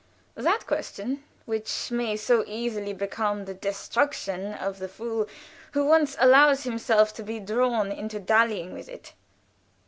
_ that question which may so easily become the destruction of the fool who once allows himself to be drawn into dallying with it.